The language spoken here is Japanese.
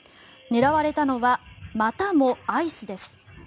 狙われたのはまたもアイスです。